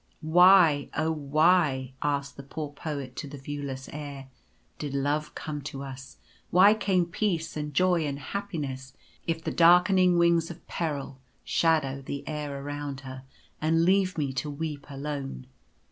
" Why, oh why," asked the poor Poet to the view less air, <c did love come to us ? Why came peace and joy and happiness, if the darkening wings of peril shadow the air around her, and leave me to weep alone